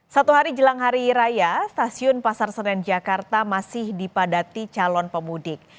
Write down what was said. satu hari jelang hari raya stasiun pasar senen jakarta masih dipadati calon pemudik